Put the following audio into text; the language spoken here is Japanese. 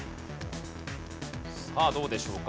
さあどうでしょうか？